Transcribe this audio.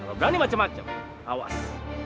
kalau gani macem macem awas